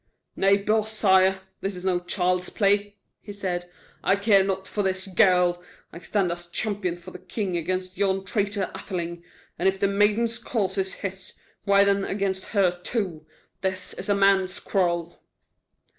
"Nay, beausire; this is no child's play," he said. "I care naught for this girl. I stand as champion for the king against yon traitor Atheling, and if the maiden's cause is his, why then against her too. This is a man's quarrel."